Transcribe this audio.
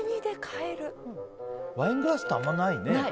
ワイングラスってあんまないね。